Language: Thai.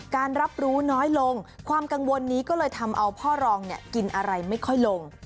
การรับรู้น้อยลงความกังวลนี้ก็เลยทำเอาพ่อรองเนี่ยกินอะไรไม่ค่อยลง